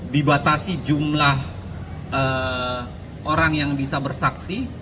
dibatasi jumlah orang yang bisa bersaksi